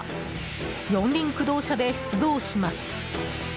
四輪駆動車で出動します。